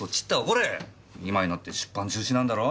今になって出版中止なんだろ？